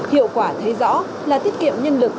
hiệu quả thấy rõ là tiết kiệm nhân lực